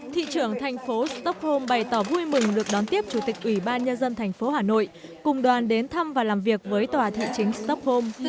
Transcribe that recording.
thị trưởng thành phố stockholm bày tỏ vui mừng được đón tiếp chủ tịch ủy ban nhân dân thành phố hà nội cùng đoàn đến thăm và làm việc với tòa thị chính stockholm